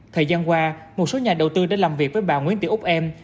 thời gian qua một số nhà đầu tư đã làm việc với bà nguyễn tị úc em